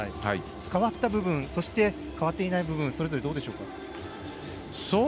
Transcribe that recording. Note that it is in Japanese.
変わった部分そして、変わっていない部分それぞれどうでしょうか。